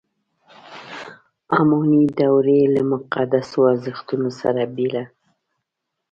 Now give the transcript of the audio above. اماني دورې له مقدسو ارزښتونو سره بېړه.